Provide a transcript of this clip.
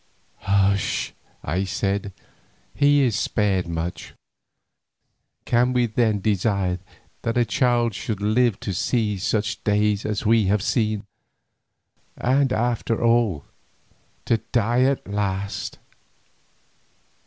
"Hush," I said, "he is spared much. Can we then desire that a child should live to see such days as we have seen, and after all, to die at last?"